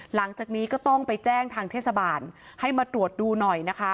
หลังจากนี้ก็ต้องไปแจ้งทางเทศบาลให้มาตรวจดูหน่อยนะคะ